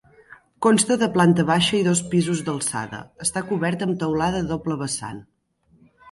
Consta de planta baixa i dos pisos d'alçada, està cobert amb teulada a doble vessant.